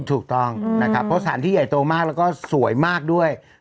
ถูกต้องนะครับเพราะสารที่ใหญ่โตมากแล้วก็สวยมากด้วย